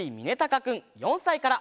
かくん４さいから。